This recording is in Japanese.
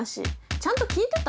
ちゃんと聞いてた？